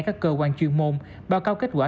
các cơ quan chuyên môn báo cáo kết quả